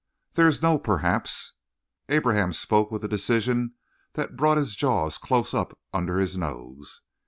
"There is no 'perhaps.'" Abraham spoke with a decision that brought his jaw close up under his nose.